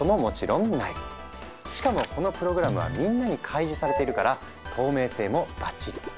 しかもこのプログラムはみんなに開示されているから透明性もばっちり。